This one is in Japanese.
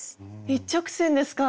一直線ですか。